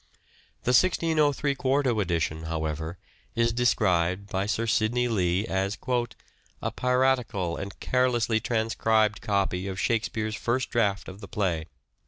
The 1603 quarto edition, however, is described by Sir Sidney Lee as "a piratical and carelessly transcribed copy of Shakespeare's first draft of the play."